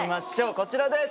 こちらです！